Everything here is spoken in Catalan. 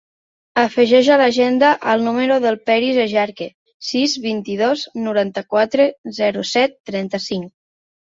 Afegeix a l'agenda el número del Peris Ejarque: sis, vint-i-dos, noranta-quatre, zero, set, trenta-cinc.